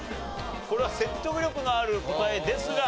これは説得力のある答えですが。